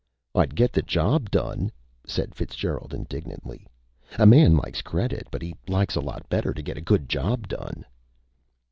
"I'd get the job done!" said Fitzgerald indignantly. "A man likes credit, but he likes a lot better to get a good job done!"